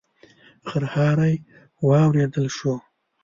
خرهاری واورېدل شو.